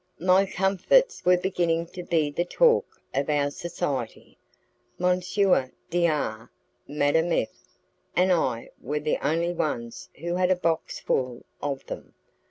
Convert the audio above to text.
My comfits were beginning to be the talk of our society. M. D R , Madame F , and I were the only ones who had a box full of them.